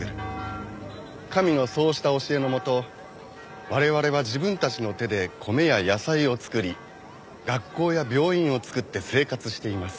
神のそうした教えのもと我々は自分たちの手で米や野菜を作り学校や病院を作って生活しています。